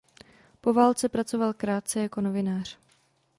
Po válce pracoval krátce jako novinář.